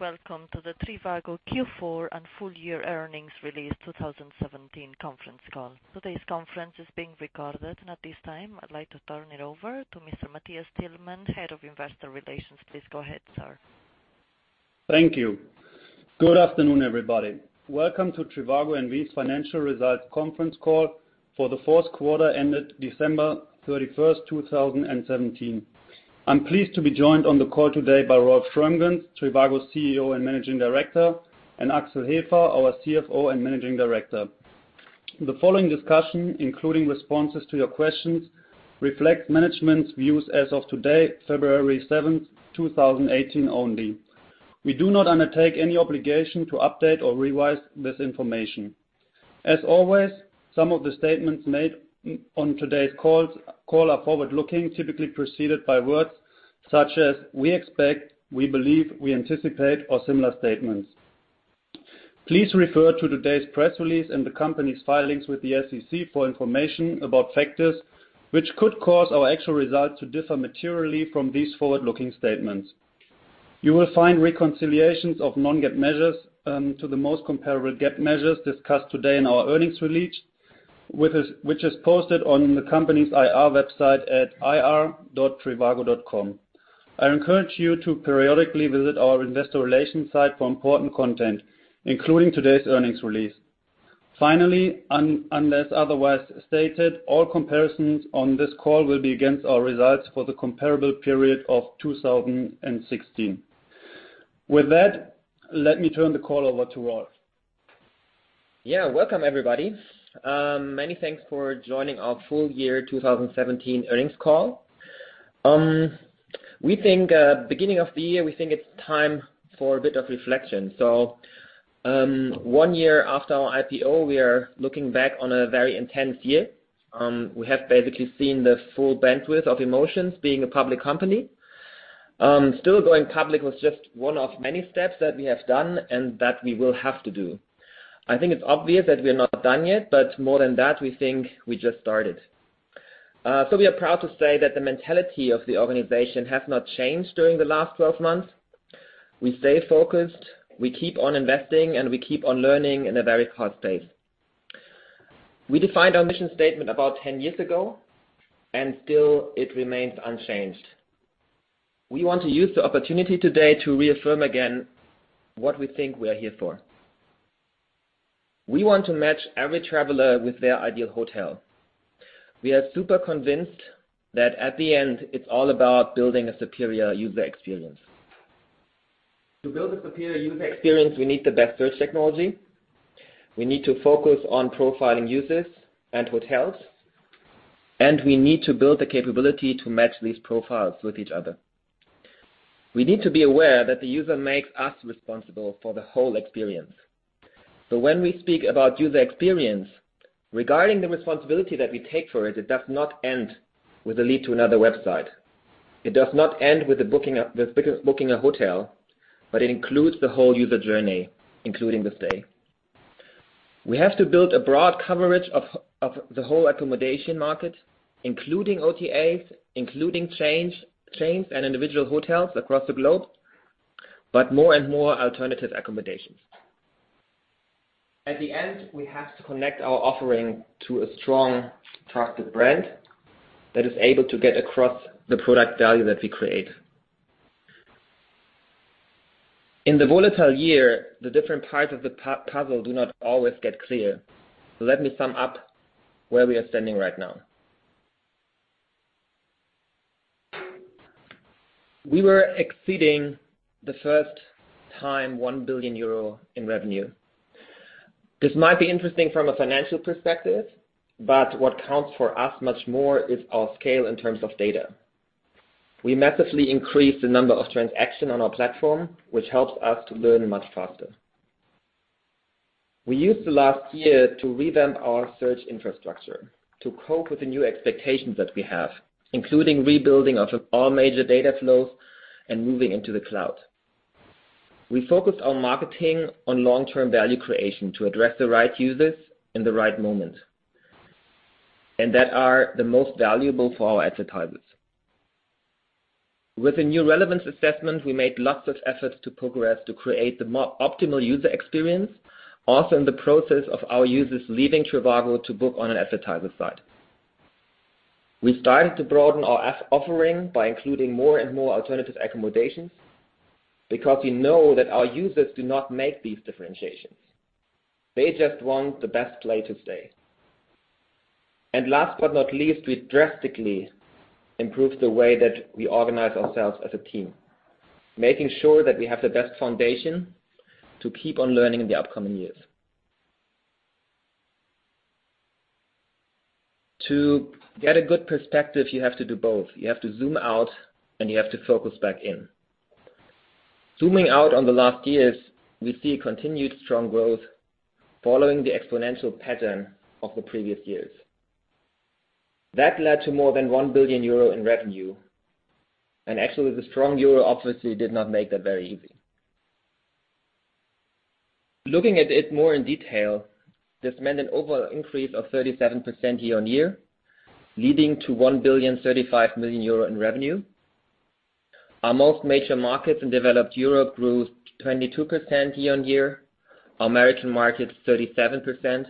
Welcome to the trivago Q4 and full year earnings release 2017 conference call. Today's conference is being recorded, and at this time, I'd like to turn it over to Mr. Matthias Tillmann, head of investor relations. Please go ahead, sir. Thank you. Good afternoon, everybody. Welcome to trivago N.V.'s Financial Results Conference Call for the fourth quarter ended December 31, 2017. I'm pleased to be joined on the call today by Rolf Schrömgens, trivago's CEO and Managing Director, and Axel Hefer, our CFO and Managing Director. The following discussion, including responses to your questions, reflects management's views as of today, February 7, 2018 only. We do not undertake any obligation to update or revise this information. As always, some of the statements made on today's call are forward-looking, typically preceded by words such as "we expect," "we believe," "we anticipate," or similar statements. Please refer to today's press release and the company's filings with the SEC for information about factors which could cause our actual results to differ materially from these forward-looking statements. You will find reconciliations of non-GAAP measures to the most comparable GAAP measures discussed today in our earnings release, which is posted on the company's IR website at ir.trivago.com. I encourage you to periodically visit our investor relations site for important content, including today's earnings release. Finally, unless otherwise stated, all comparisons on this call will be against our results for the comparable period of 2016. With that, let me turn the call over to Rolf. Welcome, everybody. Many thanks for joining our full year 2017 earnings call. Beginning of the year, we think it's time for a bit of reflection. One year after our IPO, we are looking back on a very intense year. We have basically seen the full bandwidth of emotions being a public company. Still, going public was just one of many steps that we have done and that we will have to do. I think it's obvious that we are not done yet, but more than that, we think we just started. We are proud to say that the mentality of the organization has not changed during the last 12 months. We stay focused, we keep on investing, and we keep on learning in a very hard space. We defined our mission statement about 10 years ago, and still it remains unchanged. We want to use the opportunity today to reaffirm again what we think we are here for. We want to match every traveler with their ideal hotel. We are super convinced that at the end, it's all about building a superior user experience. To build a superior user experience, we need the best search technology, we need to focus on profiling users and hotels, we need to build the capability to match these profiles with each other. We need to be aware that the user makes us responsible for the whole experience. When we speak about user experience, regarding the responsibility that we take for it does not end with a lead to another website. It does not end with booking a hotel, but it includes the whole user journey, including the stay. We have to build a broad coverage of the whole accommodation market, including OTAs, including chains and individual hotels across the globe, but more and more alternative accommodations. At the end, we have to connect our offering to a strong trusted brand that is able to get across the product value that we create. In the volatile year, the different parts of the puzzle do not always get clear, let me sum up where we are standing right now. We were exceeding the first time 1 billion euro in revenue. This might be interesting from a financial perspective, but what counts for us much more is our scale in terms of data. We massively increased the number of transactions on our platform, which helps us to learn much faster. We used the last year to revamp our search infrastructure to cope with the new expectations that we have, including rebuilding of all major data flows and moving into the cloud. We focused on marketing on long-term value creation to address the right users in the right moment, that are the most valuable for our advertisers. With a new relevance assessment, we made lots of efforts to progress to create the optimal user experience, also in the process of our users leaving trivago to book on an advertiser site. We started to broaden our offering by including more and more alternative accommodations because we know that our users do not make these differentiations. They just want the best place to stay. Last but not least, we drastically improved the way that we organize ourselves as a team, making sure that we have the best foundation to keep on learning in the upcoming years. To get a good perspective, you have to do both. You have to zoom out, you have to focus back in. Zooming out on the last years, we see continued strong growth following the exponential pattern of the previous years. That led to more than 1 billion euro in revenue, actually, the strong euro obviously did not make that very easy. Looking at it more in detail, this meant an overall increase of 37% year-on-year, leading to 1,035,000,000 euro in revenue. Our most major markets in developed Europe grew 22% year-on-year, American markets 37%,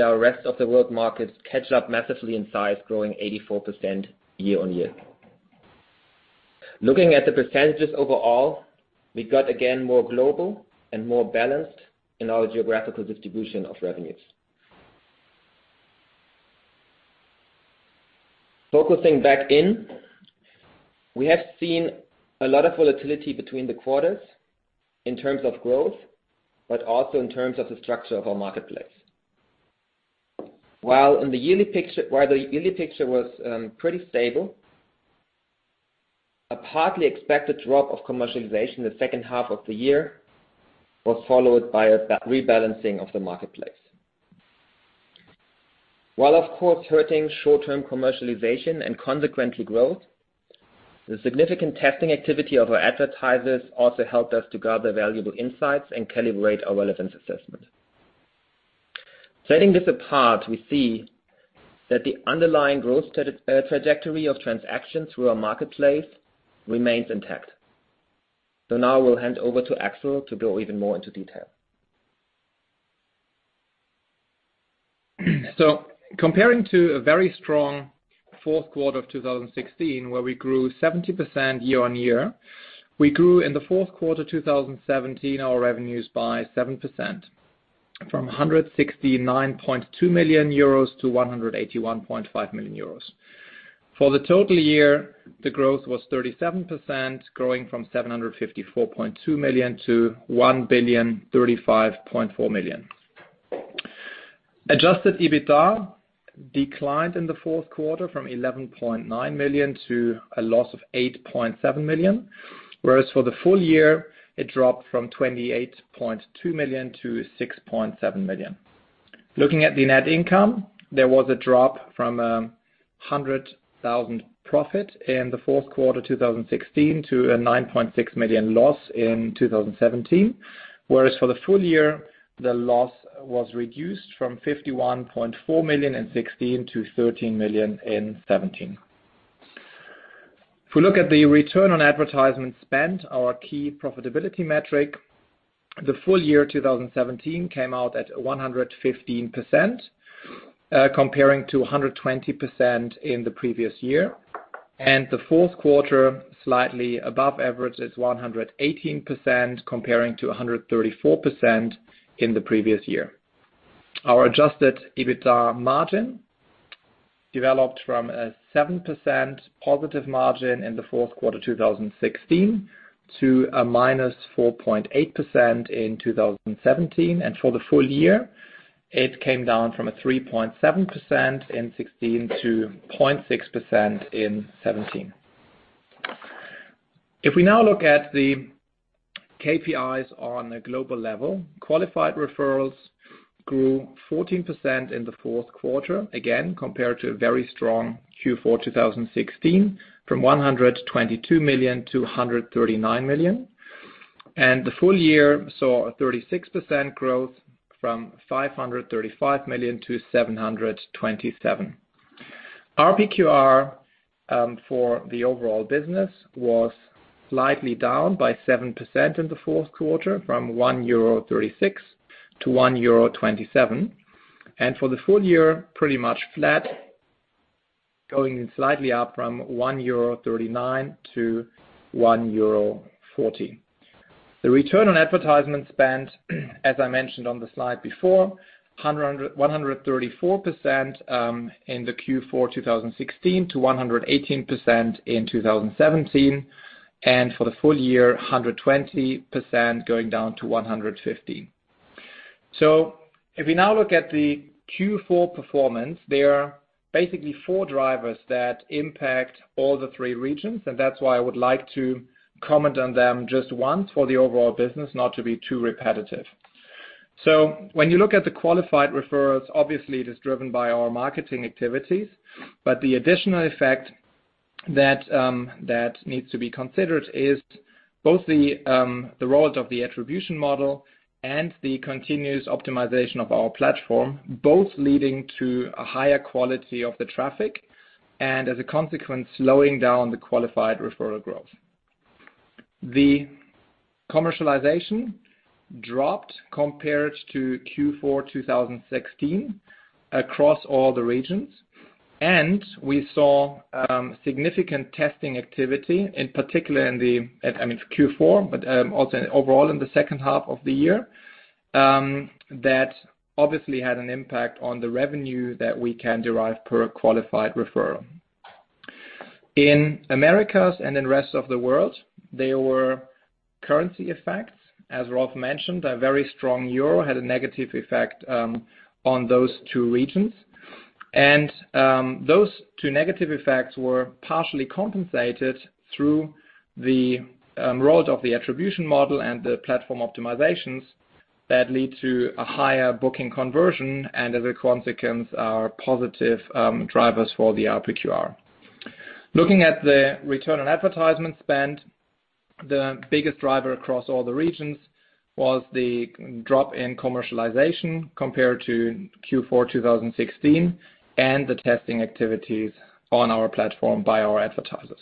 our rest of the world markets catch up massively in size, growing 84% year-on-year. Looking at the percentages overall, we got again more global and more balanced in our geographical distribution of revenues. Focusing back in, we have seen a lot of volatility between the quarters in terms of growth, but also in terms of the structure of our marketplace. While the yearly picture was pretty stable, a partly expected drop of commercialization the second half of the year was followed by a rebalancing of the marketplace. While of course hurting short-term commercialization and consequently growth, the significant testing activity of our advertisers also helped us to gather valuable insights and calibrate our relevance assessment. Setting this apart, we see that the underlying growth trajectory of transactions through our marketplace remains intact. Now we'll hand over to Axel to go even more into detail. Comparing to a very strong fourth quarter of 2016, where we grew 70% year-on-year, we grew in the fourth quarter 2017 our revenues by 7%, from 169.2 million euros to 181.5 million euros. For the total year, the growth was 37%, growing from 754.2 million to 1,035.4 million. Adjusted EBITDA declined in the fourth quarter from 11.9 million to a loss of 8.7 million, whereas for the full year it dropped from 28.2 million to 6.7 million. Looking at the net income, there was a drop from 100,000 profit in the fourth quarter 2016 to a 9.6 million loss in 2017, whereas for the full year, the loss was reduced from 51.4 million in 2016 to 13 million in 2017. If we look at the Return on Advertising Spend, our key profitability metric, the full year 2017 came out at 115%, comparing to 120% in the previous year, and the fourth quarter slightly above average is 118%, comparing to 134% in the previous year. Our adjusted EBITDA margin developed from a 7% positive margin in the fourth quarter 2016 to a minus 4.8% in 2017, and for the full year, it came down from a 3.7% in 2016 to 0.6% in 2017. If we now look at the KPIs on a global level, Qualified Referrals grew 14% in the fourth quarter, again, compared to a very strong Q4 2016, from 122 million to 139 million, and the full year saw a 36% growth from 535 million to 727 million. RPQR for the overall business was slightly down by 7% in the fourth quarter from 1.36 euro to 1.27 euro, and for the full year, pretty much flat, going slightly up from 1.39 euro to 1.40 euro. The Return on Advertising Spend, as I mentioned on the slide before, 134% in the Q4 2016 to 118% in 2017, and for the full year, 120% going down to 115%. If we now look at the Q4 performance, there are basically four drivers that impact all the three regions, and that's why I would like to comment on them just once for the overall business, not to be too repetitive. When you look at the qualified referrals, obviously, it is driven by our marketing activities, but the additional effect that needs to be considered is both the role of the attribution model and the continuous optimization of our platform, both leading to a higher quality of the traffic and as a consequence, slowing down the qualified referral growth. The commercialization dropped compared to Q4 2016 across all the regions, and we saw significant testing activity, in particular for Q4, but also overall in the second half of the year, that obviously had an impact on the revenue that we can derive per qualified referral. In Americas and in rest of the world, there were currency effects. As Rolf mentioned, a very strong EUR had a negative effect on those two regions. Those two negative effects were partially compensated through the role of the attribution model and the platform optimizations that lead to a higher booking conversion and as a consequence, are positive drivers for the RPQR. Looking at the Return on Advertising Spend, the biggest driver across all the regions was the drop in commercialization compared to Q4 2016 and the testing activities on our platform by our advertisers.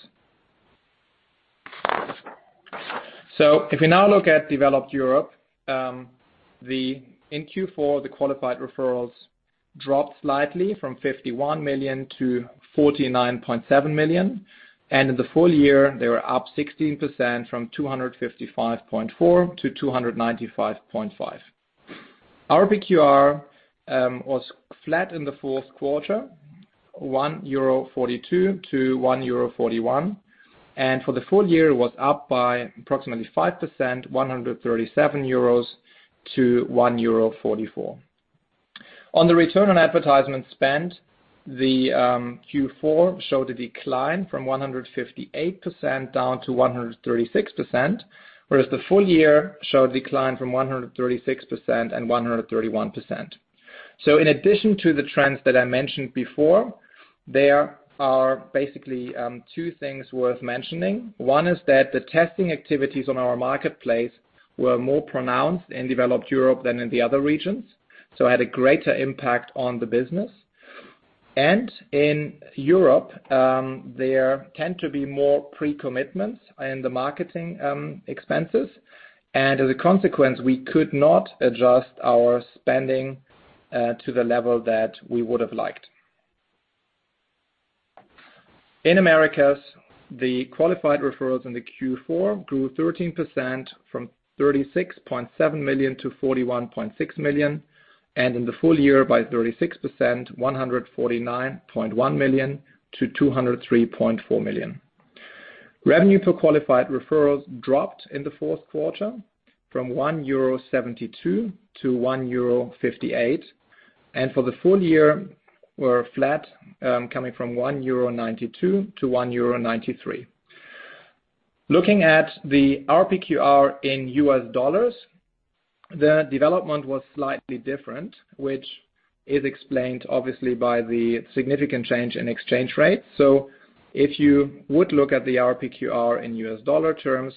If we now look at developed Europe, in Q4, the qualified referrals dropped slightly from 51 million to 49.7 million, and in the full year, they were up 16% from 255.4 million to 295.5 million. RPQR was flat in the fourth quarter, 1.42 euro to 1.41 euro, and for the full year was up by approximately 5%, 1.37 euros to 1.44 euro. On the Return on Advertising Spend, the Q4 showed a decline from 158% to 136%, whereas the full year showed a decline from 136% to 131%. In addition to the trends that I mentioned before, there are basically two things worth mentioning. One is that the testing activities on our marketplace were more pronounced in developed Europe than in the other regions, so had a greater impact on the business. In Europe, there tend to be more pre-commitments in the marketing expenses. As a consequence, we could not adjust our spending to the level that we would have liked. In Americas, the qualified referrals in the Q4 grew 13% from 36.7 million to 41.6 million, and in the full year by 36%, 149.1 million to 203.4 million. Revenue per qualified referrals dropped in the fourth quarter from 1.72 euro to 1.58 euro. For the full year were flat, coming from 1.92 euro to 1.93 euro. Looking at the RPQR in U.S. dollars, the development was slightly different, which is explained obviously by the significant change in exchange rates. If you would look at the RPQR in U.S. dollar terms,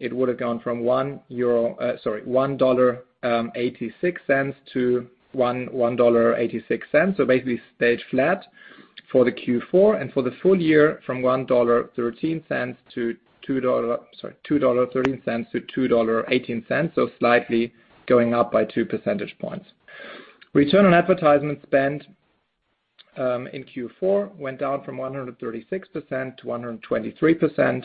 it would have gone from $1.86 to $1.86. Basically stayed flat for the Q4, and for the full year from $2.13 to $2.18, so slightly going up by two percentage points. Return on Advertising Spend in Q4 went down from 136% to 123%,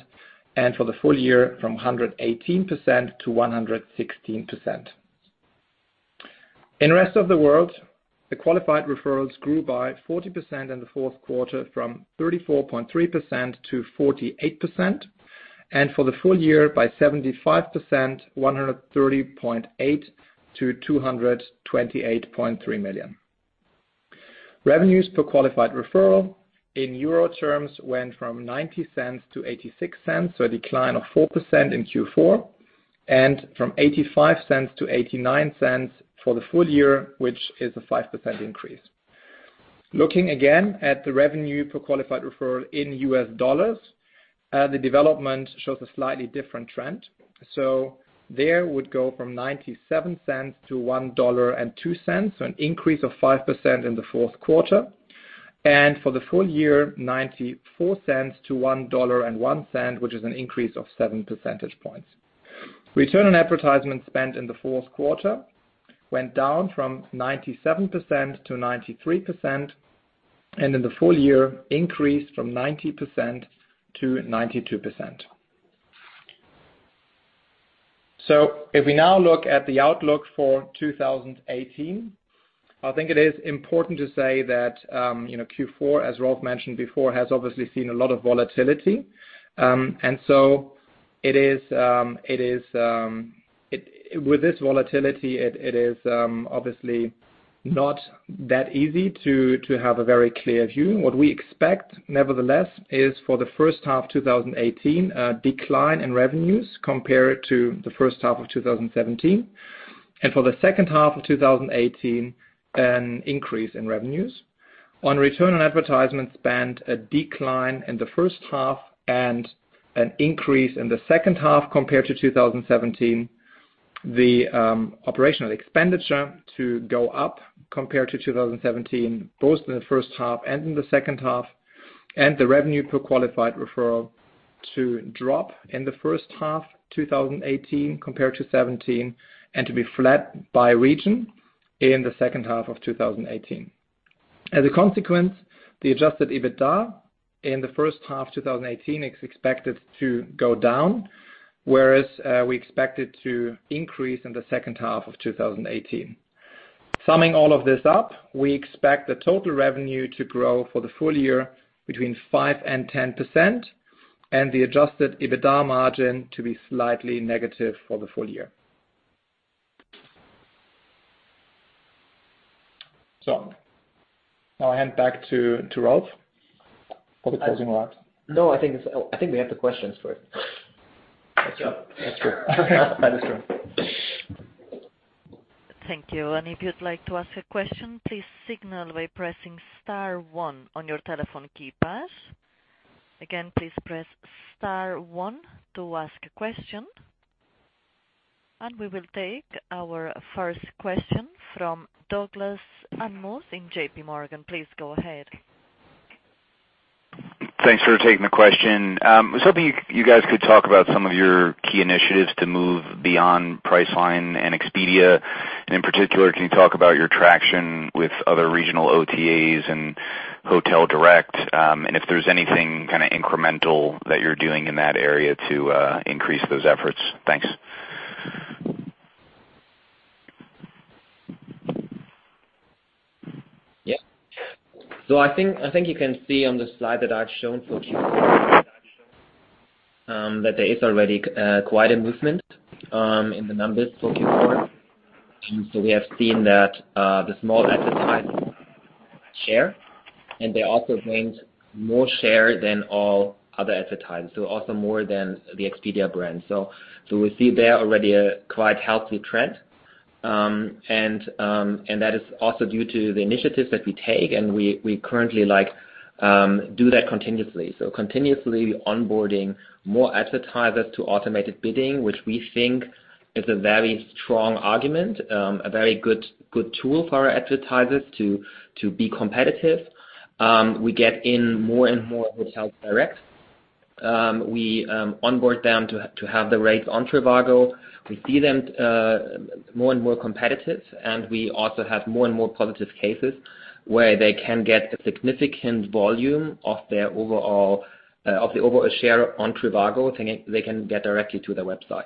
and for the full year from 118% to 116%. In rest of the world, the qualified referrals grew by 40% in the fourth quarter from 34.3 million to 48 million, and for the full year by 75%, 130.8 million to 228.3 million. Revenues per Qualified Referrals in euro terms went from 0.90 to 0.86, so a decline of 4% in Q4, and from 0.85 to 0.89 for the full year, which is a 5% increase. Looking again at the revenue per Qualified Referrals in US dollars, the development shows a slightly different trend. There would go from $0.97 to $1.02, so an increase of 5% in the fourth quarter, and for the full year, $0.94 to $1.01, which is an increase of seven percentage points. Return on Advertising Spend in the fourth quarter went down from 97% to 93%, and in the full year, increased from 90% to 92%. If we now look at the outlook for 2018, I think it is important to say that Q4, as Rolf mentioned before, has obviously seen a lot of volatility. With this volatility, it is obviously not that easy to have a very clear view. What we expect, nevertheless, is for the first half 2018, a decline in revenues compared to the first half of 2017, and for the second half of 2018, an increase in revenues. On Return on Advertising Spend, a decline in the first half and an increase in the second half compared to 2017. The operational expenditure to go up compared to 2017, both in the first half and in the second half. The revenue per Qualified Referrals to drop in the first half 2018 compared to 2017, and to be flat by region in the second half of 2018. As a consequence, the Adjusted EBITDA in the first half 2018 is expected to go down, whereas we expect it to increase in the second half of 2018. Summing all of this up, we expect the total revenue to grow for the full year between 5% and 10%, and the Adjusted EBITDA margin to be slightly negative for the full year. Now I hand back to Rolf for the closing remarks. No, I think we have the questions first. That's true. That is true. Thank you. If you'd like to ask a question, please signal by pressing star one on your telephone keypads. Again, please press star one to ask a question, we will take our first question from Douglas Anmuth in J.P. Morgan. Please go ahead. Thanks for taking the question. I was hoping you guys could talk about some of your key initiatives to move beyond Priceline and Expedia, in particular, can you talk about your traction with other regional OTAs and hotel direct, if there's anything incremental that you're doing in that area to increase those efforts? Thanks. Yeah. I think you can see on the slide that I've shown for Q4 that there is already quite a movement in the numbers for Q4. We have seen that the small advertisers share, and they also gained more share than all other advertisers, so also more than the Expedia brand. We see there already a quite healthy trend, and that is also due to the initiatives that we take, and we currently do that continuously. Continuously onboarding more advertisers to automated bidding, which we think is a very strong argument, a very good tool for our advertisers to be competitive. We get in more and more hotel direct. We onboard them to have the rates on trivago. We see them more and more competitive, we also have more and more positive cases where they can get a significant volume of the overall share on trivago than they can get directly to their website.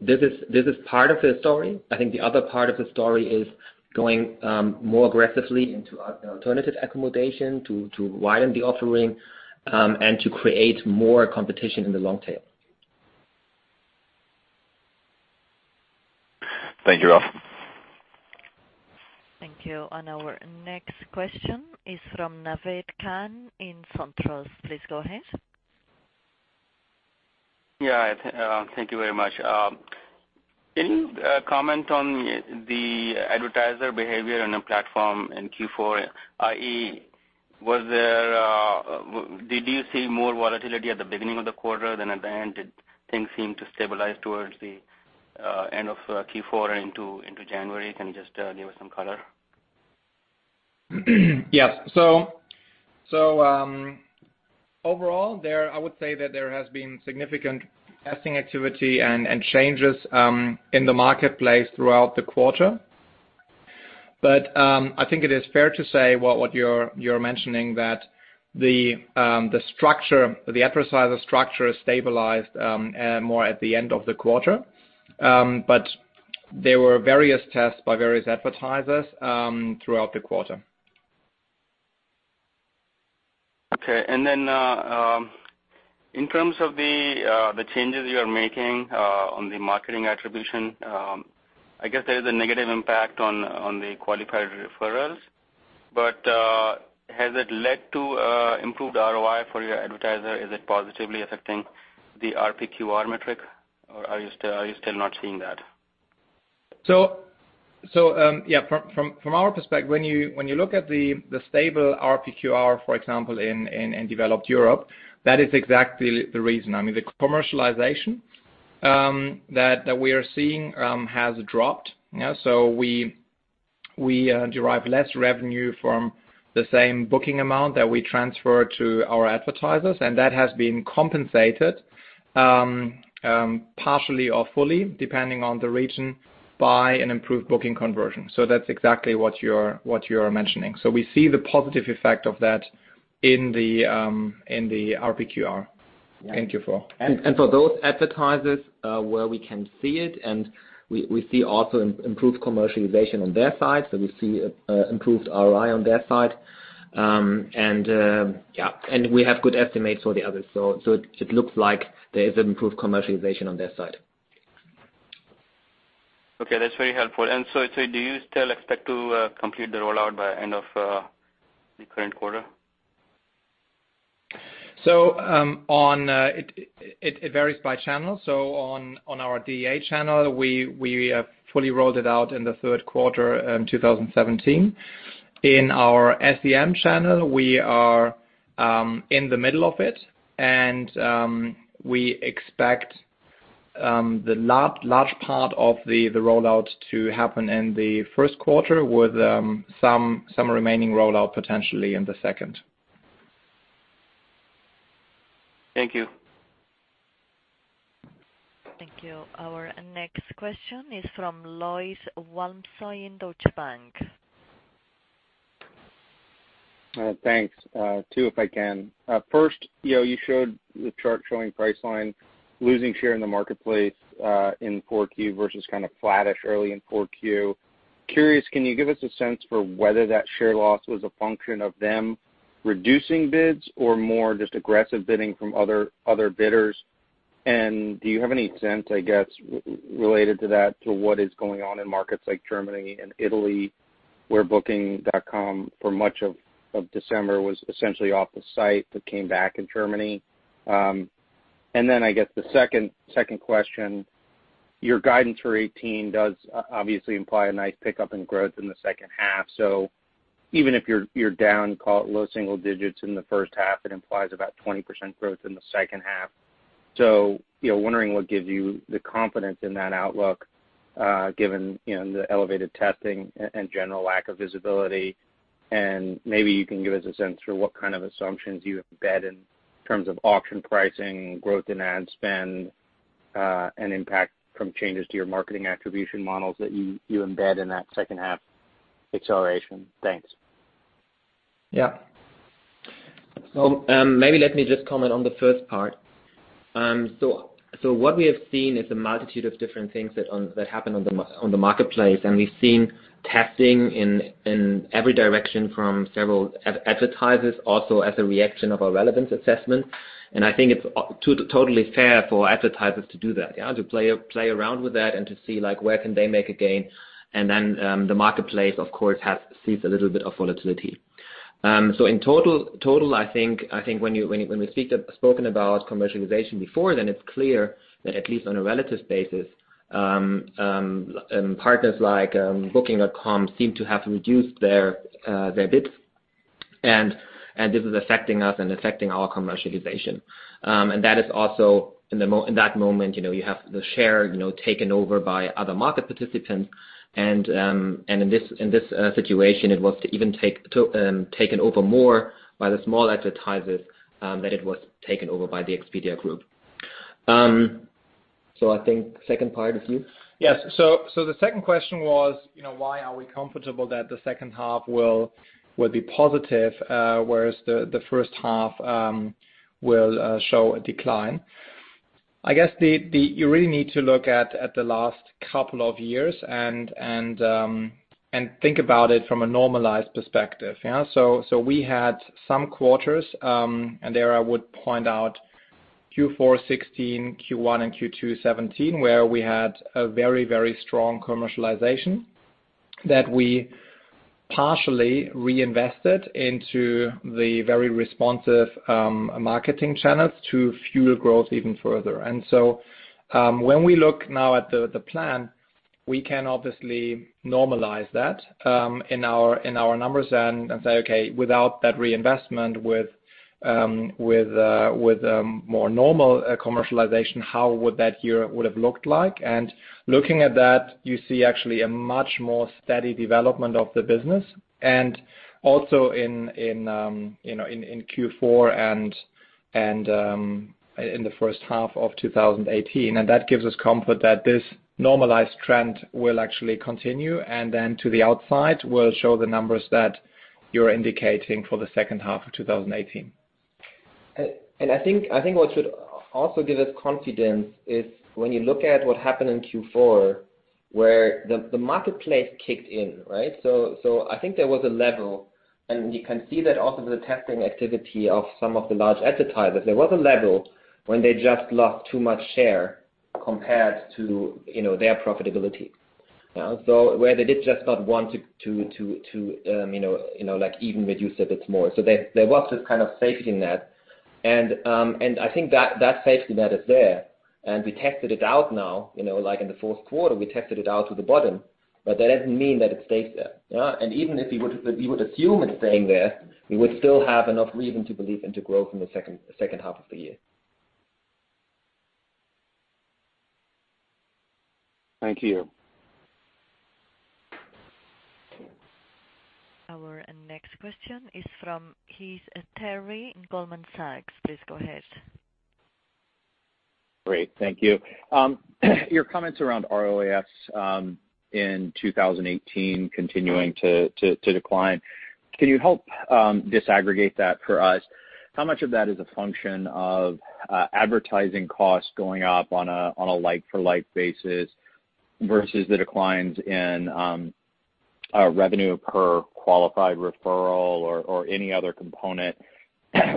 This is part of the story. I think the other part of the story is going more aggressively into alternative accommodation to widen the offering, to create more competition in the long tail. Thank you, Rolf. Thank you. Our next question is from Naved Khan in SunTrust. Please go ahead. Thank you very much. Can you comment on the advertiser behavior on the platform in Q4, i.e., did you see more volatility at the beginning of the quarter than at the end? Did things seem to stabilize towards the end of Q4 into January? Can you just give us some color? Yes. Overall, I would say that there has been significant testing activity and changes in the marketplace throughout the quarter. I think it is fair to say what you're mentioning, that the advertiser structure is stabilized more at the end of the quarter. There were various tests by various advertisers throughout the quarter. Okay. In terms of the changes you're making on the marketing attribution, I guess there is a negative impact on the Qualified Referrals, has it led to improved ROI for your advertiser? Is it positively affecting the RPQR metric, are you still not seeing that? Yeah, from our perspective, when you look at the stable RPQR, for example, in developed Europe, that is exactly the reason. I mean, the commercialization that we are seeing has dropped. We derive less revenue from the same booking amount that we transfer to our advertisers, and that has been compensated, partially or fully, depending on the region, by an improved booking conversion. That's exactly what you're mentioning. We see the positive effect of that in the RPQR in Q4. For those advertisers where we can see it, and we see also improved commercialization on their side, we see improved ROI on their side. We have good estimates for the others. It looks like there is an improved commercialization on their side. Okay, that's very helpful. Do you still expect to complete the rollout by end of the current quarter? It varies by channel. On our DA channel, we have fully rolled it out in the third quarter 2017. In our SEM channel, we are in the middle of it, we expect the large part of the rollout to happen in the first quarter with some remaining rollout potentially in the second. Thank you. Thank you. Our next question is from Lloyd Walmsley in Deutsche Bank. Thanks. Two, if I can. First, you showed the chart showing Priceline losing share in the marketplace in 4Q versus flattish early in 4Q. Curious, can you give us a sense for whether that share loss was a function of them reducing bids or more just aggressive bidding from other bidders? Do you have any sense, I guess, related to that, to what is going on in markets like Germany and Italy, where Booking.com for much of December was essentially off the site but came back in Germany? I guess the second question, your guidance for 2018 does obviously imply a nice pickup in growth in the second half. Even if you're down, call it low single digits in the first half, it implies about 20% growth in the second half. Wondering what gives you the confidence in that outlook, given the elevated testing and general lack of visibility. Maybe you can give us a sense for what kind of assumptions you embed in terms of auction pricing, growth in ad spend, and impact from changes to your marketing attribution models that you embed in that second half acceleration. Thanks. Yeah. Maybe let me just comment on the first part. What we have seen is a multitude of different things that happen on the marketplace, and we've seen testing in every direction from several advertisers, also as a reaction of our relevance assessment. I think it's totally fair for advertisers to do that, yeah, to play around with that and to see where can they make a gain. The marketplace, of course, sees a little bit of volatility. In total, I think when we've spoken about commercialization before then, it's clear that at least on a relative basis, and partners like Booking.com seem to have reduced their bids. This is affecting us and affecting our commercialization. That is also in that moment, you have the share taken over by other market participants, and in this situation, it was even taken over more by the small advertisers than it was taken over by the Expedia Group. I think second part is you? Yes. The second question was, why are we comfortable that the second half will be positive, whereas the first half will show a decline? I guess you really need to look at the last couple of years and think about it from a normalized perspective. We had some quarters, and there I would point out Q4 2016, Q1 and Q2 2017, where we had a very strong commercialization that we partially reinvested into the very responsive marketing channels to fuel growth even further. When we look now at the plan, we can obviously normalize that in our numbers and say, okay, without that reinvestment with more normal commercialization, how would that year would have looked like? Looking at that, you see actually a much more steady development of the business, also in Q4 and in the first half of 2018. That gives us comfort that this normalized trend will actually continue, to the outside will show the numbers that you're indicating for the second half of 2018. I think what should also give us confidence is when you look at what happened in Q4, where the marketplace kicked in, right? I think there was a level, and you can see that also the testing activity of some of the large advertisers. There was a level when they just lost too much share compared to their profitability. Where they did just not want to even reduce their bids more. There was this kind of safety net, and I think that safety net is there, and we tested it out now. In the fourth quarter, we tested it out to the bottom, but that doesn't mean that it stays there. Even if you would assume it's staying there, we would still have enough reason to believe into growth in the second half of the year. Thank you. Our next question is from Heath Terry in Goldman Sachs. Please go ahead. Great. Thank you. Your comments around ROAS, in 2018 continuing to decline. Can you help disaggregate that for us? How much of that is a function of advertising costs going up on a like-for-like basis versus the declines in revenue per Qualified Referral or any other component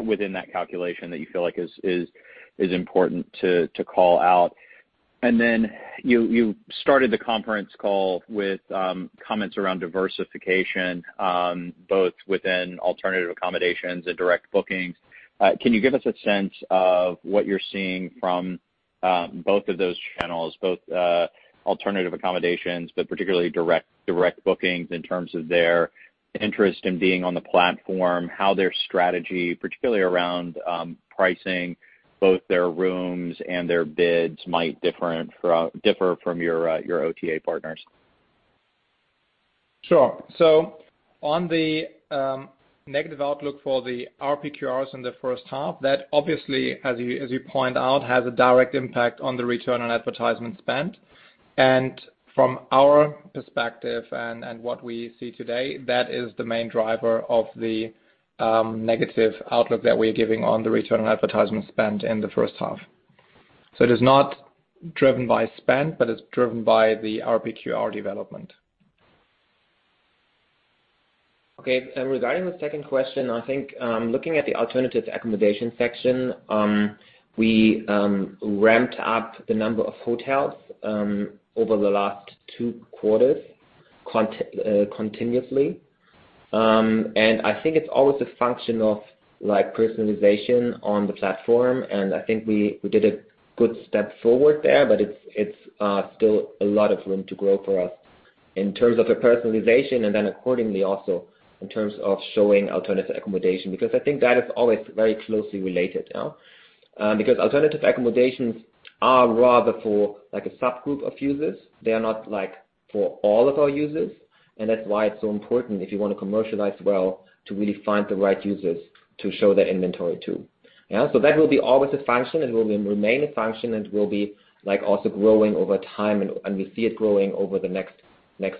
within that calculation that you feel like is important to call out. Then you started the conference call with comments around diversification, both within alternative accommodations and direct bookings. Can you give us a sense of what you're seeing from both of those channels, both alternative accommodations, but particularly direct bookings in terms of their interest in being on the platform, how their strategy, particularly around pricing, both their rooms and their bids might differ from your OTA partners? Sure. On the negative outlook for the RPQRs in the first half, that obviously, as you point out, has a direct impact on the Return on Advertising Spend. From our perspective and what we see today, that is the main driver of the negative outlook that we are giving on the Return on Advertising Spend in the first half. It is not driven by spend, but it's driven by the RPQR development. Okay, regarding the second question, I think, looking at the alternative accommodation section, we ramped up the number of hotels over the last two quarters. Continuously. I think it's always a function of personalization on the platform, and I think we did a good step forward there, but it's still a lot of room to grow for us in terms of the personalization, then accordingly also in terms of showing alternative accommodation, I think that is always very closely related now. Alternative accommodations are rather for a subgroup of users. They are not for all of our users, and that's why it's so important if you want to commercialize well, to really find the right users to show that inventory to. Yeah. That will be always a function, it will remain a function and will be also growing over time, and we see it growing over the next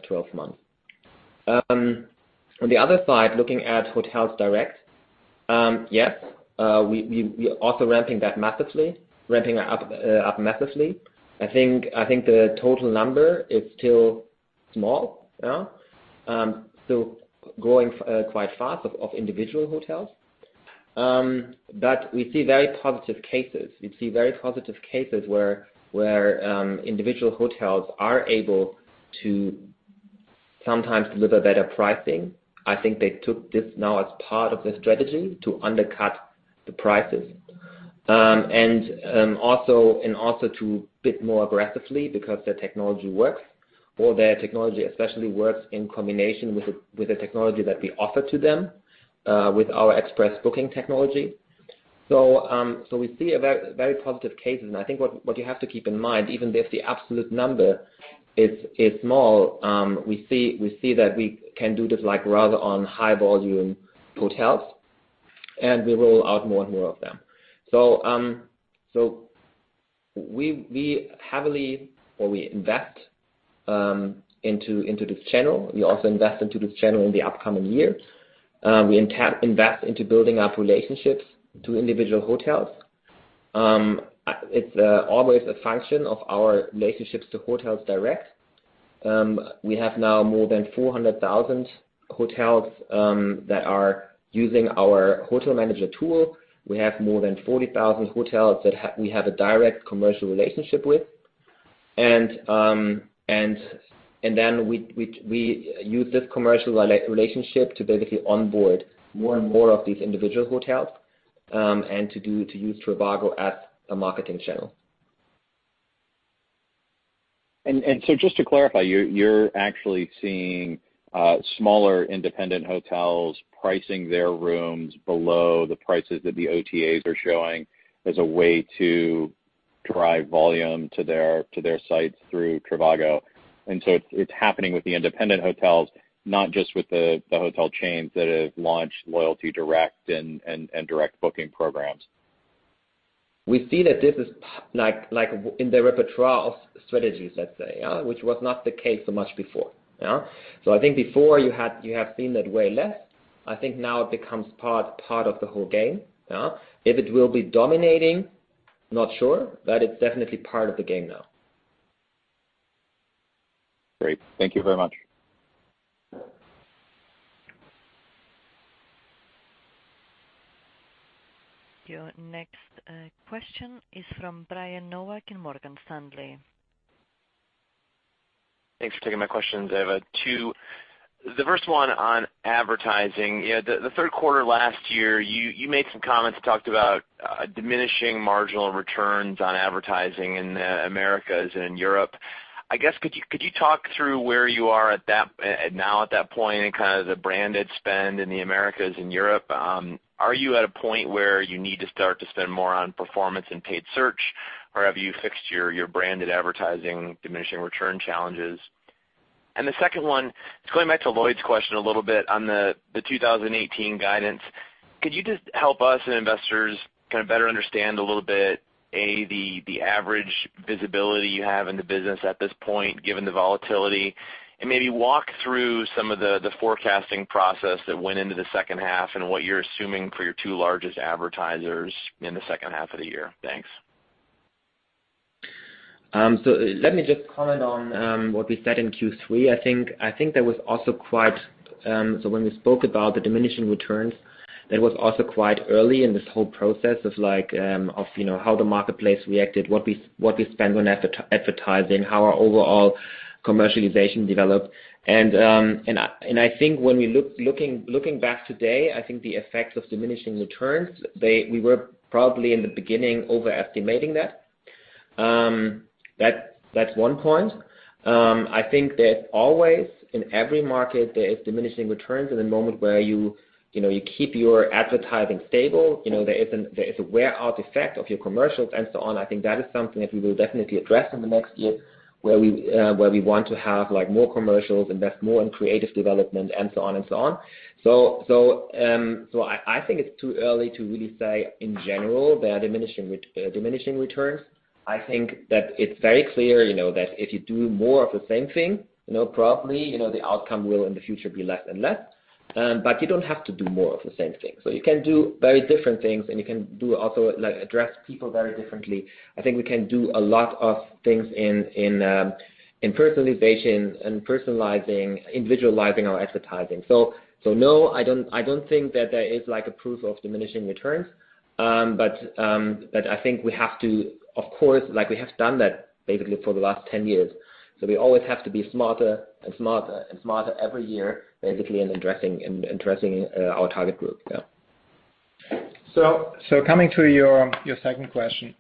12 months. On the other side, looking at hotels direct. Yes, we also ramping that up massively. I think the total number is still small. Still growing quite fast of individual hotels. We see very positive cases where individual hotels are able to sometimes deliver better pricing. I think they took this now as part of the strategy to undercut the prices. Also to bid more aggressively because their technology works, or their technology especially works in combination with the technology that we offer to them with our Express Booking technology. We see very positive cases. I think what you have to keep in mind, even if the absolute number is small, we see that we can do this rather on high volume hotels, and we roll out more and more of them. We heavily invest into this channel. We also invest into this channel in the upcoming year. We invest into building up relationships to individual hotels. It's always a function of our relationships to hotels direct. We have now more than 400,000 hotels that are using our trivago Hotel Manager tool. We have more than 40,000 hotels that we have a direct commercial relationship with. We use this commercial relationship to basically onboard more and more of these individual hotels, and to use trivago as a marketing channel. Just to clarify, you're actually seeing smaller independent hotels pricing their rooms below the prices that the OTAs are showing as a way to drive volume to their sites through trivago. It's happening with the independent hotels, not just with the hotel chains that have launched loyalty direct and direct booking programs. We see that this is in the repertoire of strategies, let's say, which was not the case so much before. I think before you have seen that way less. I think now it becomes part of the whole game. If it will be dominating, not sure, but it's definitely part of the game now. Great. Thank you very much. Your next question is from Brian Nowak in Morgan Stanley. Thanks for taking my question, David. Two. The first one on advertising. The third quarter last year, you made some comments, talked about diminishing marginal returns on advertising in the Americas and Europe. I guess could you talk through where you are now at that point in kind of the branded spend in the Americas and Europe? Are you at a point where you need to start to spend more on performance and paid search, or have you fixed your branded advertising diminishing return challenges? The second one is going back to Lloyd's question a little bit on the 2018 guidance. Could you just help us and investors kind of better understand a little bit, A, the average visibility you have in the business at this point given the volatility? Maybe walk through some of the forecasting process that went into the second half and what you're assuming for your two largest advertisers in the second half of the year. Thanks. Let me just comment on what we said in Q3. I think that was also quite. When we spoke about the diminishing returns, that was also quite early in this whole process of how the marketplace reacted, what we spend on advertising, how our overall commercialization developed. I think when looking back today, I think the effects of diminishing returns, we were probably in the beginning overestimating that. That's one point. I think that always in every market, there is diminishing returns in the moment where you keep your advertising stable. There is a wear-out effect of your commercials and so on. I think that is something that we will definitely address in the next year, where we want to have more commercials, invest more in creative development and so on. I think it's too early to really say in general there are diminishing returns. I think that it's very clear that if you do more of the same thing, probably the outcome will in the future be less and less. You don't have to do more of the same thing. You can do very different things, and you can also address people very differently. I think we can do a lot of things in personalization and personalizing, individualizing our advertising. No, I don't think that there is a proof of diminishing returns. I think we have to, of course, we have done that basically for the last 10 years. We always have to be smarter and smarter every year, basically in addressing our target group. Yeah. Coming to your second question,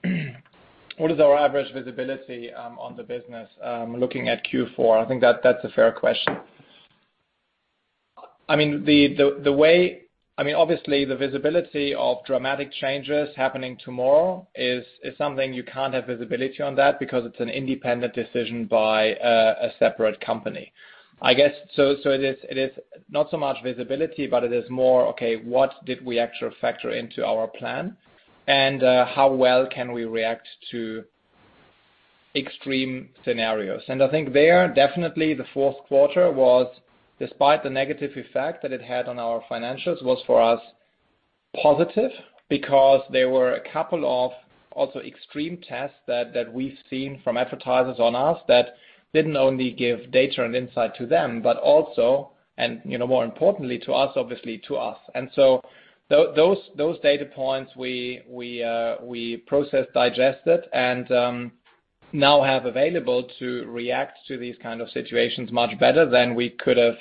what is our average visibility on the business looking at Q4? I think that's a fair question. Obviously, the visibility of dramatic changes happening tomorrow is something you can't have visibility on that because it's an independent decision by a separate company. I guess it is not so much visibility, but it is more, okay, what did we actually factor into our plan and how well can we react to extreme scenarios? I think there, definitely the fourth quarter was, despite the negative effect that it had on our financials, was for us positive because there were a couple of also extreme tests that we've seen from advertisers on us that didn't only give data and insight to them, but also, and more importantly to us, obviously to us. Those data points we process, digest it, and now have available to react to these kind of situations much better than we could've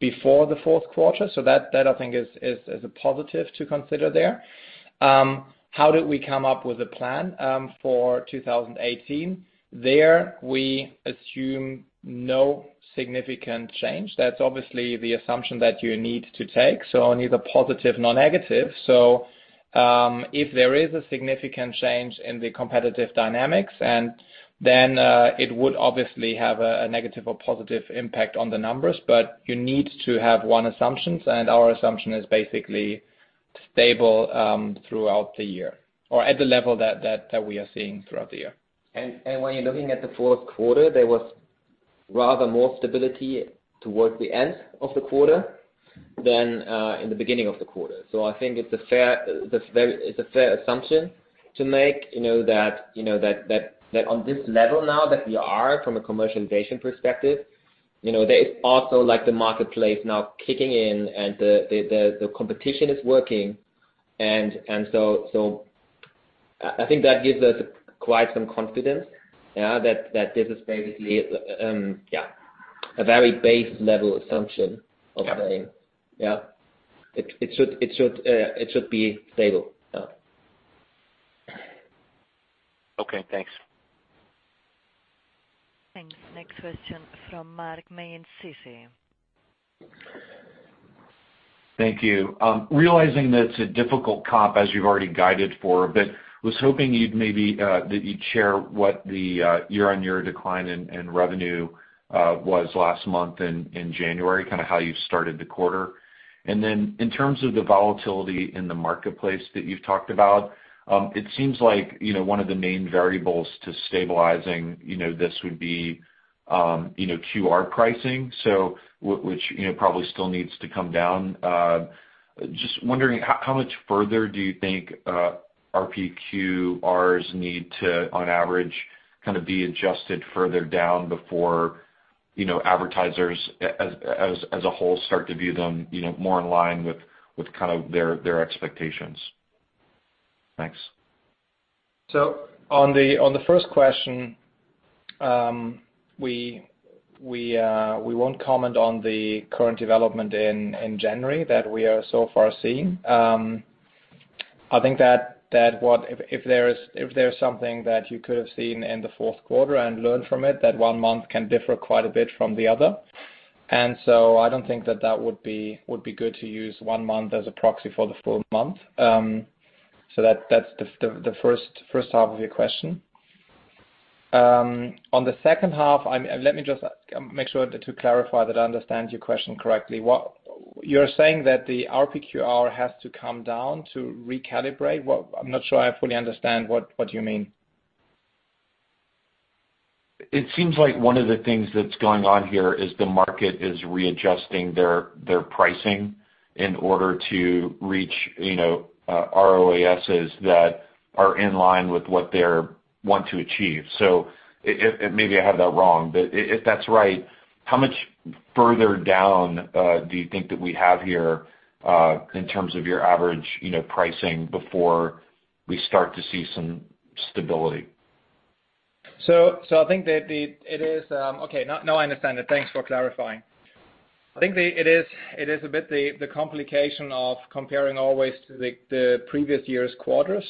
before the fourth quarter. That I think is a positive to consider there. How did we come up with a plan for 2018? There, we assume no significant change. That's obviously the assumption that you need to take, so neither positive nor negative. If there is a significant change in the competitive dynamics, then it would obviously have a negative or positive impact on the numbers, but you need to have one assumption, and our assumption is basically stable throughout the year or at the level that we are seeing throughout the year. When you're looking at the fourth quarter, there was rather more stability towards the end of the quarter than in the beginning of the quarter. I think it's a fair assumption to make, that on this level now that we are from a commercialization perspective, there is also the marketplace now kicking in and the competition is working. I think that gives us quite some confidence that this is basically, yeah, a very base level assumption of saying- Yeah. Yeah. It should be stable, yeah. Okay, thanks. Thanks. Next question from Mark May in Citi. Thank you. Realizing that it's a difficult comp as you've already guided for, but was hoping that you'd share what the year-on-year decline in revenue was last month in January, how you started the quarter. In terms of the volatility in the marketplace that you've talked about, it seems like one of the main variables to stabilizing this would be QR pricing, which probably still needs to come down. Just wondering how much further do you think RPQRs need to, on average, be adjusted further down before advertisers as a whole start to view them more in line with their expectations? Thanks. On the first question, we won't comment on the current development in January that we are so far seeing. I think that if there's something that you could've seen in the fourth quarter and learned from it, that one month can differ quite a bit from the other. I don't think that that would be good to use one month as a proxy for the full month. That's the first half of your question. On the second half, let me just make sure to clarify that I understand your question correctly. You're saying that the RPQR has to come down to recalibrate? I'm not sure I fully understand what you mean. It seems like one of the things that's going on here is the market is readjusting their pricing in order to reach ROASs that are in line with what they want to achieve. Maybe I have that wrong, but if that's right, how much further down do you think that we have here, in terms of your average pricing before we start to see some stability? Okay, now I understand it. Thanks for clarifying. I think it is a bit the complication of comparing always to the previous year's quarter.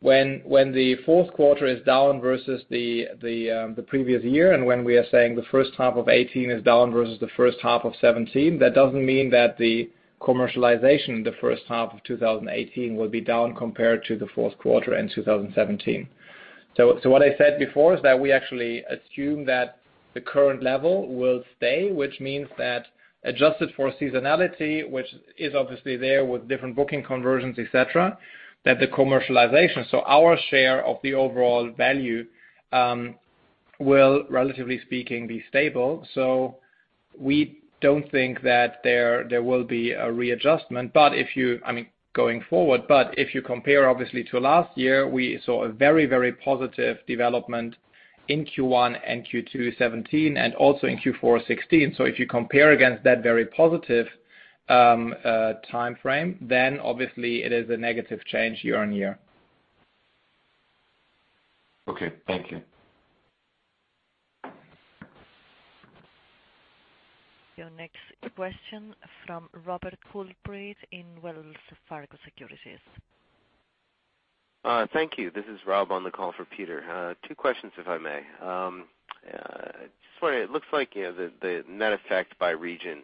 When the fourth quarter is down versus the previous year, and when we are saying the first half of 2018 is down versus the first half of 2017, that doesn't mean that the commercialization in the first half of 2018 will be down compared to the fourth quarter in 2017. What I said before is that we actually assume that the current level will stay, which means that adjusted for seasonality, which is obviously there with different booking conversions, et cetera, that the commercialization, so our share of the overall value, will, relatively speaking, be stable. We don't think that there will be a readjustment going forward. If you compare, obviously, to last year, we saw a very positive development in Q1 and Q2 2017, and also in Q4 2016. If you compare against that very positive timeframe, then obviously it is a negative change year-over-year. Okay. Thank you. Your next question from Robert Coolbrith in Wells Fargo Securities. Thank you. This is Rob on the call for Peter. Two questions, if I may. Just wondering, it looks like the net effect by region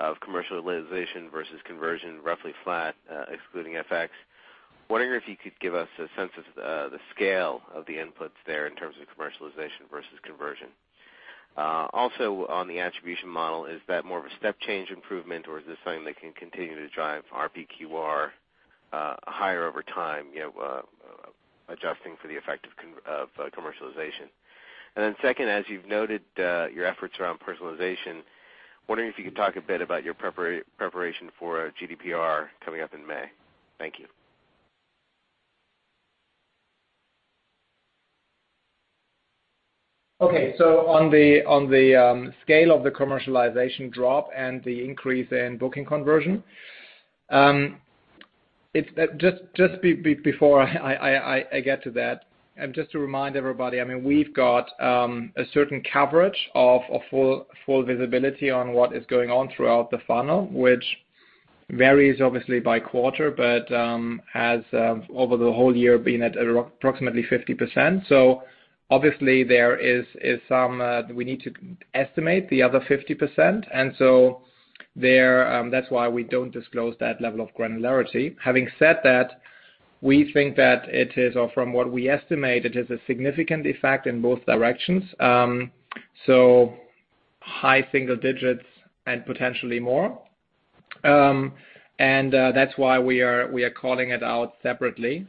of commercialization versus conversion, roughly flat, excluding FX. Wondering if you could give us a sense of the scale of the inputs there in terms of commercialization versus conversion. Also on the attribution model, is that more of a step change improvement, or is this something that can continue to drive RPQR higher over time, adjusting for the effect of commercialization? Second, as you've noted your efforts around personalization, wondering if you could talk a bit about your preparation for GDPR coming up in May. Thank you. On the scale of the commercialization drop and the increase in booking conversion, just before I get to that and just to remind everybody, we've got a certain coverage of full visibility on what is going on throughout the funnel, which varies obviously by quarter, but has over the whole year been at approximately 50%. Obviously we need to estimate the other 50%, that's why we don't disclose that level of granularity. Having said that, we think that it is, or from what we estimate, it is a significant effect in both directions. High single digits and potentially more. That's why we are calling it out separately.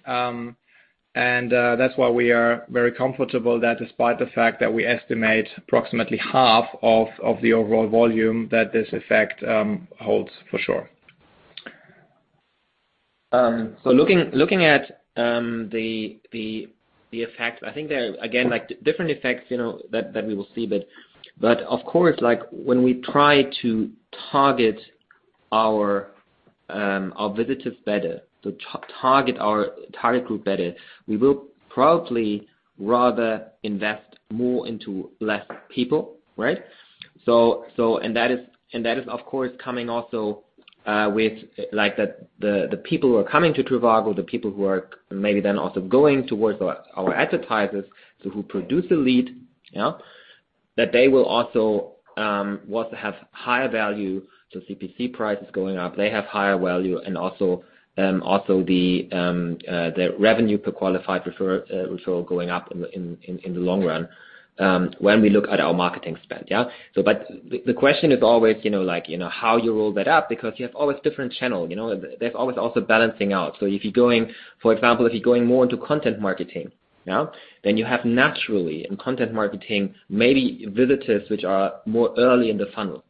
That's why we are very comfortable that despite the fact that we estimate approximately half of the overall volume that this effect holds for sure. Looking at the effect, I think there are, again, different effects that we will see, but of course, when we try to target our visitors better, to target our target group better, we will probably rather invest more into less people, right? That is, of course, coming also with the people who are coming to trivago, the people who are maybe then also going towards our advertisers, so who produce a lead. That they will also want to have higher value. CPC prices going up, they have higher value, and also the revenue per qualified referral going up in the long run, when we look at our marketing spend. The question is always how you roll that out because you have always different channel. There's always also balancing out. If you're going, for example, if you're going more into content marketing, then you have naturally in content marketing, maybe visitors which are more early in the funnel,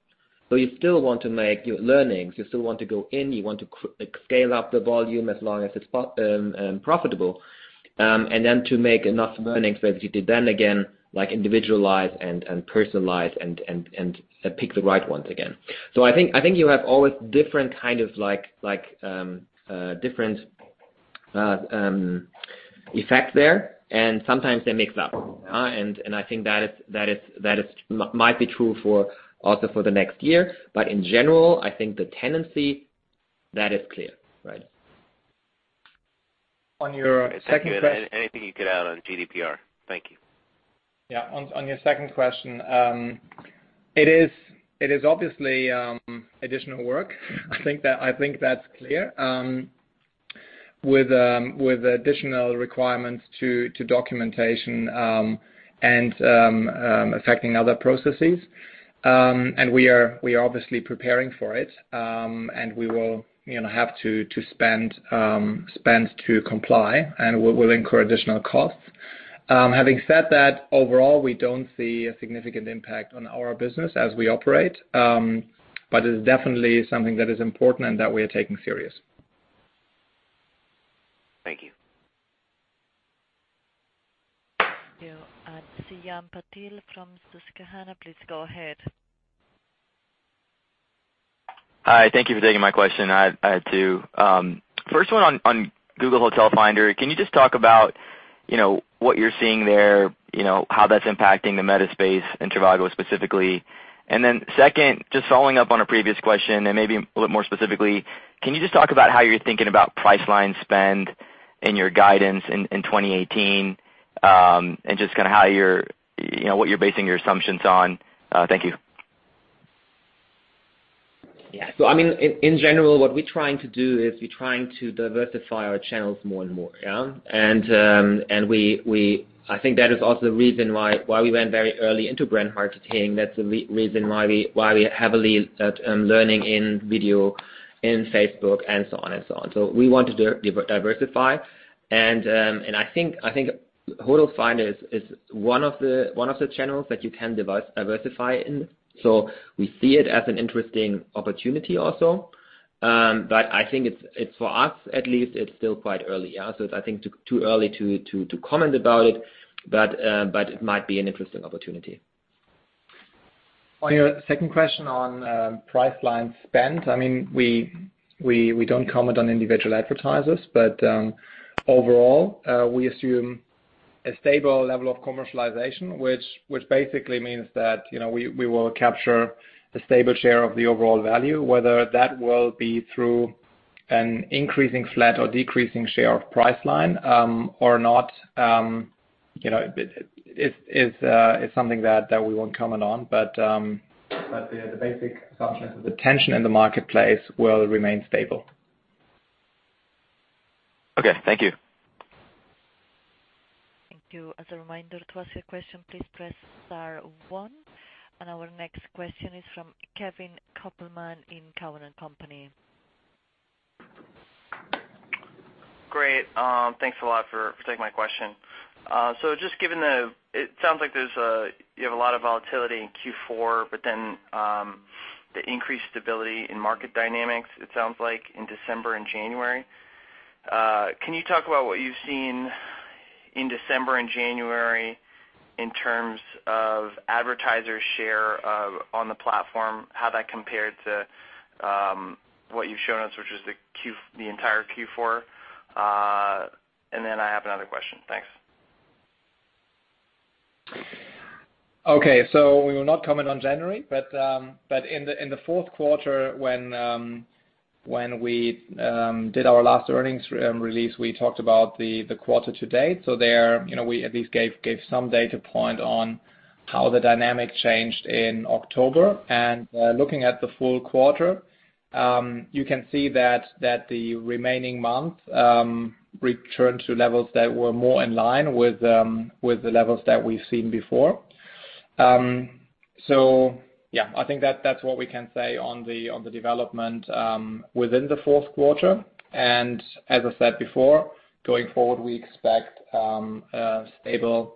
but you still want to make your learnings, you still want to go in, you want to scale up the volume as long as it's profitable. Then to make enough learnings that you did then again, individualize and personalize and pick the right ones again. I think you have always different kind of effects there, and sometimes they mix up. I think that might be true also for the next year. In general, I think the tendency, that is clear. Anything you could add on GDPR. Thank you. Yeah. On your second question, it is obviously additional work. I think that's clear, with additional requirements to documentation, affecting other processes. We are obviously preparing for it, we will have to spend to comply, we'll incur additional costs. Having said that, overall, we don't see a significant impact on our business as we operate. It's definitely something that is important and that we are taking serious. Thank you. Thank you. Shyam Patil from Susquehanna, please go ahead. Hi. Thank you for taking my question. I had two. First one on Google Hotel Finder. Can you just talk about what you're seeing there, how that's impacting the meta space and trivago specifically? Then second, just following up on a previous question and maybe a little more specifically, can you just talk about how you're thinking about Priceline spend and your guidance in 2018, just kind of what you're basing your assumptions on? Thank you. Yeah. In general, what we're trying to do is we're trying to diversify our channels more and more. I think that is also the reason why we went very early into brand marketing. That's the reason why we are heavily learning in video, in Facebook, and so on, and so on. We want to diversify, and I think Hotel Finder is one of the channels that you can diversify in. We see it as an interesting opportunity also. I think for us at least, it's still quite early. It's, I think too early to comment about it, but it might be an interesting opportunity. On your second question on Priceline spend, we don't comment on individual advertisers, overall, we assume a stable level of commercialization, which basically means that we will capture a stable share of the overall value, whether that will be through an increasing flat or decreasing share of Priceline or not is something that we won't comment on. The basic assumption is the tension in the marketplace will remain stable. Okay. Thank you. Thank you. As a reminder, to ask your question, please press star one. Our next question is from Kevin Kopelman in Cowen and Company. Great. Thanks a lot for taking my question. Just given the It sounds like you have a lot of volatility in Q4, but then the increased stability in market dynamics, it sounds like in December and January. Can you talk about what you've seen in December and January in terms of advertiser share on the platform, how that compared to what you've shown us, which is the entire Q4? I have another question. Thanks. Okay. We will not comment on January, but in the fourth quarter when we did our last earnings release, we talked about the quarter to date. There, we at least gave some data point on how the dynamic changed in October. Looking at the full quarter, you can see that the remaining months returned to levels that were more in line with the levels that we've seen before. Yeah, I think that's what we can say on the development within the fourth quarter. As I said before, going forward, we expect a stable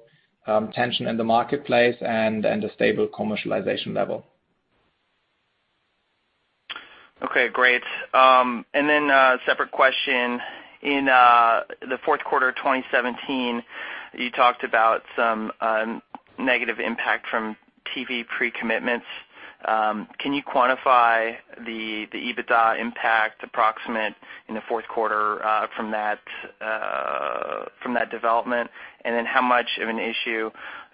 tension in the marketplace and a stable commercialization level. Okay, great. A separate question. In the fourth quarter of 2017, you talked about some negative impact from TV pre-commitments. Can you quantify the EBITDA impact approximate in the fourth quarter from that development? How much of an issue,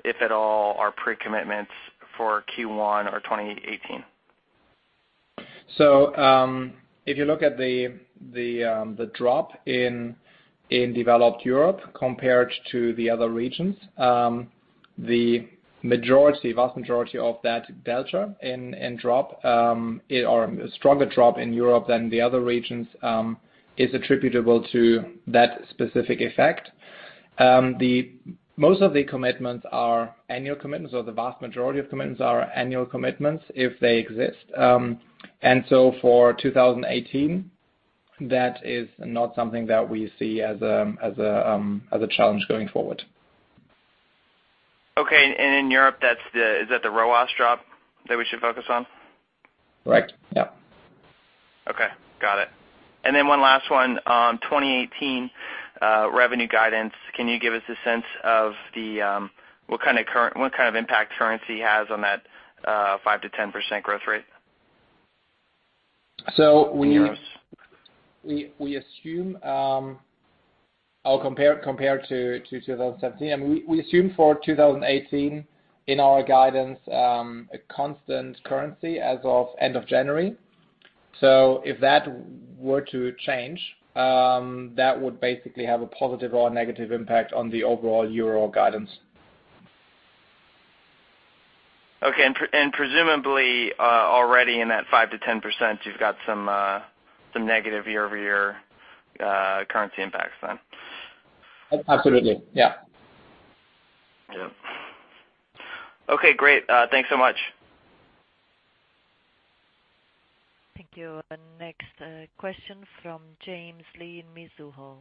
if at all, are pre-commitments for Q1 or 2018? If you look at the drop in developed Europe compared to the other regions, the vast majority of that delta in drop, or a stronger drop in Europe than the other regions, is attributable to that specific effect. Most of the commitments are annual commitments, or the vast majority of commitments are annual commitments if they exist. For 2018, that is not something that we see as a challenge going forward. Okay, in Europe, is that the ROAS drop that we should focus on? Right. Yep. Okay. Got it. One last one. 2018 revenue guidance, can you give us a sense of what kind of impact currency has on that 5%-10% growth rate? So we- In Europe. Compared to 2017, we assume for 2018 in our guidance, a constant currency as of end of January. If that were to change, that would basically have a positive or negative impact on the overall euro guidance. Okay, presumably already in that 5%-10%, you've got some negative year-over-year currency impacts then? Absolutely. Yeah. Yep. Okay, great. Thanks so much. Thank you. Next question from James Lee in Mizuho.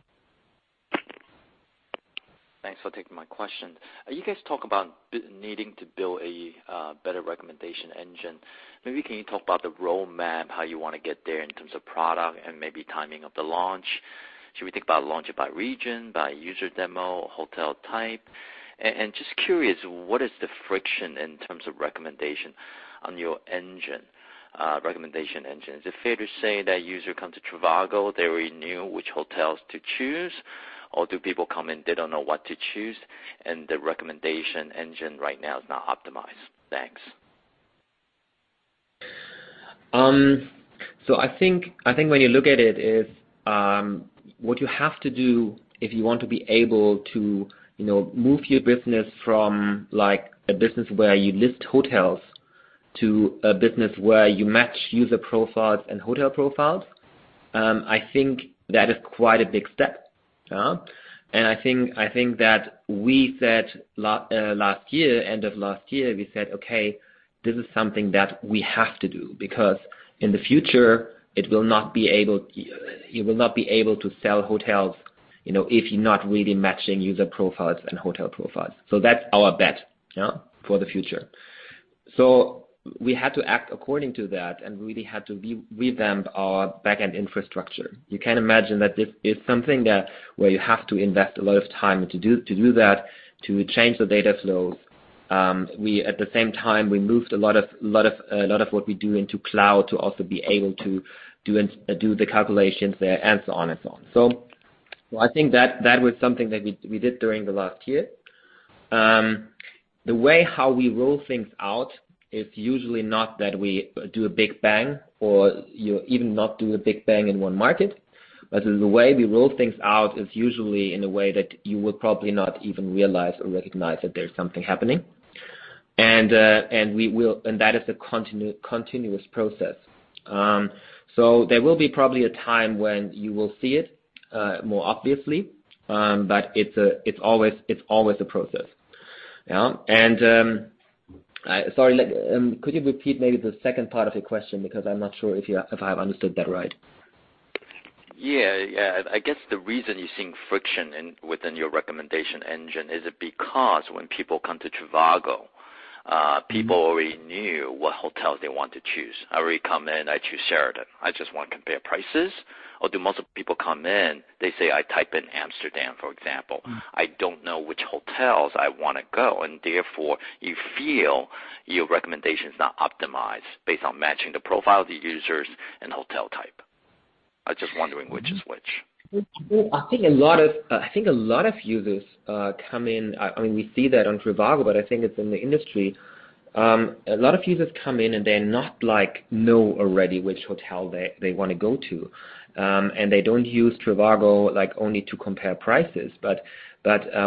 Thanks for taking my question. You guys talk about needing to build a better recommendation engine. Can you talk about the roadmap, how you want to get there in terms of product and maybe timing of the launch? Should we think about launch it by region, by user demo, hotel type? Just curious, what is the friction in terms of recommendation on your recommendation engine? Is it fair to say that user come to trivago, they already knew which hotels to choose? Do people come and they don't know what to choose and the recommendation engine right now is not optimized? Thanks. I think when you look at it, what you have to do if you want to be able to move your business from a business where you list hotels to a business where you match user profiles and hotel profiles, I think that is quite a big step. I think that we said end of last year, we said, "Okay, this is something that we have to do." In the future, you will not be able to sell hotels if you're not really matching user profiles and hotel profiles. That's our bet for the future. We had to act according to that, and we really had to revamp our back-end infrastructure. You can imagine that this is something where you have to invest a lot of time to do that, to change the data flows At the same time, we moved a lot of what we do into cloud to also be able to do the calculations there, and so on. I think that was something that we did during the last year. The way how we roll things out is usually not that we do a big bang, or you even not do a big bang in one market, but the way we roll things out is usually in a way that you will probably not even realize or recognize that there's something happening. That is a continuous process. There will be probably a time when you will see it more obviously, but it's always a process. Yeah. Sorry, could you repeat maybe the second part of your question, because I'm not sure if I have understood that right. Yeah. I guess the reason you're seeing friction within your recommendation engine, is it because when people come to trivago, people already knew what hotel they want to choose? I already come in, I choose Sheraton. I just want to compare prices. Or do most people come in, they say, I type in Amsterdam, for example. I don't know which hotels I want to go, and therefore you feel your recommendation's not optimized based on matching the profile of the users and hotel type. I was just wondering which is which. I think a lot of users come in. We see that on trivago, but I think it's in the industry. A lot of users come in, and they not know already which hotel they want to go to. They don't use trivago only to compare prices.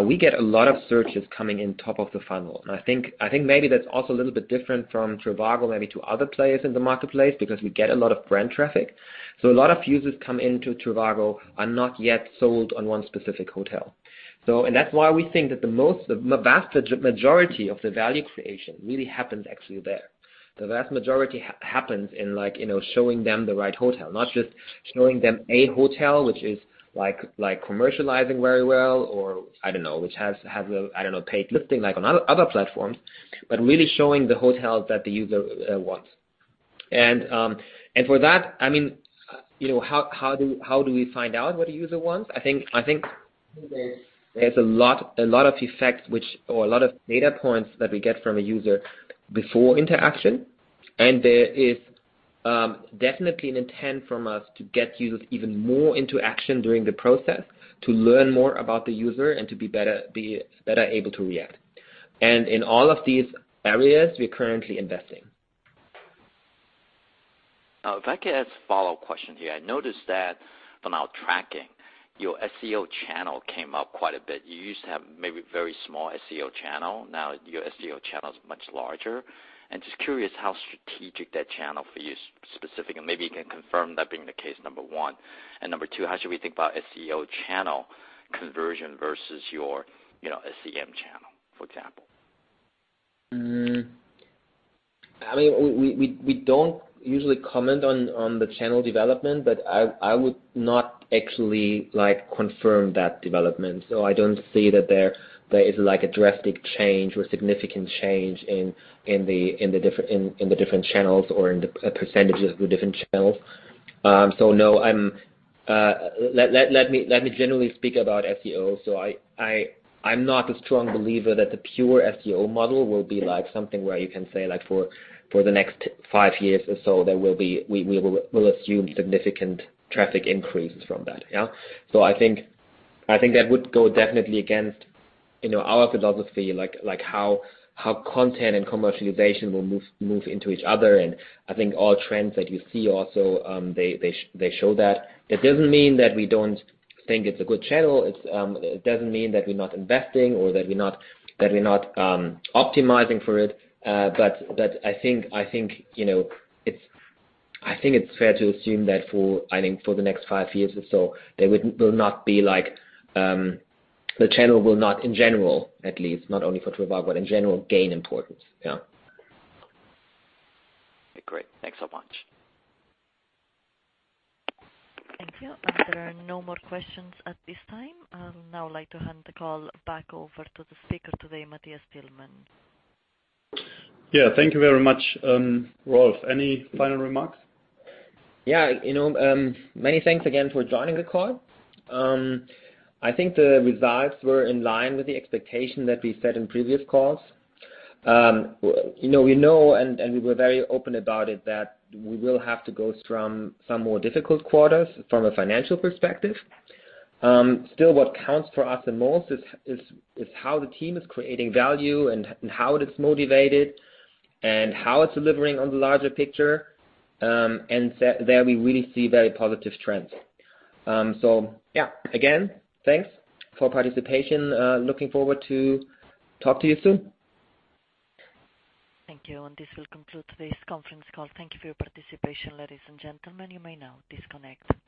We get a lot of searches coming in top of the funnel. I think maybe that's also a little bit different from trivago, maybe to other players in the marketplace, because we get a lot of brand traffic. A lot of users come into trivago are not yet sold on one specific hotel. That's why we think that the vast majority of the value creation really happens actually there. The vast majority happens in showing them the right hotel, not just showing them a hotel, which is commercializing very well, or I don't know, which has a paid listing like on other platforms, but really showing the hotel that the user wants. For that, how do we find out what a user wants? I think there's a lot of effects or a lot of data points that we get from a user before interaction, and there is definitely an intent from us to get users even more into action during the process to learn more about the user and to be better able to react. In all of these areas, we're currently investing. If I could ask a follow-up question here. I noticed that from our tracking, your SEO channel came up quite a bit. You used to have maybe a very small SEO channel. Now your SEO channel is much larger. Just curious how strategic that channel for you is specifically. Maybe you can confirm that being the case, number one. Number two, how should we think about SEO channel conversion versus your SEM channel, for example? We don't usually comment on the channel development. I would not actually confirm that development. I don't see that there is a drastic change or significant change in the different channels or in the percentages of the different channels. No. Let me generally speak about SEO. I'm not a strong believer that the pure SEO model will be something where you can say for the next five years or so, we will assume significant traffic increases from that. Yeah. I think that would go definitely against our philosophy, like how content and commercialization will move into each other. I think all trends that you see also, they show that. That doesn't mean that we don't think it's a good channel. It doesn't mean that we're not investing or that we're not optimizing for it. I think it's fair to assume that for the next five years or so, the channel will not, in general, at least, not only for trivago, but in general gain importance. Yeah. Great. Thanks so much. Thank you. There are no more questions at this time. I'd now like to hand the call back over to the speaker today, Matthias Tillmann. Yeah. Thank you very much. Rolf, any final remarks? Yeah. Many thanks again for joining the call. I think the results were in line with the expectation that we said in previous calls. We know, and we were very open about it, that we will have to go through some more difficult quarters from a financial perspective. Still, what counts for us the most is how the team is creating value and how it is motivated and how it's delivering on the larger picture. There, we really see very positive trends. Yeah. Again, thanks for participation. Looking forward to talk to you soon. Thank you. This will conclude today's conference call. Thank you for your participation, ladies and gentlemen. You may now disconnect.